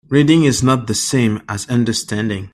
Reading is not the same as understanding.